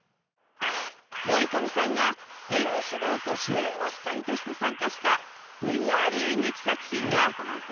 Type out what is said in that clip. ｙｏｉｋａｍｉ さんが演技指導と主演の一人として参加した ＶＲ 演劇作品が